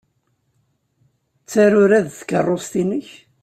D taruradt tkeṛṛust-ik?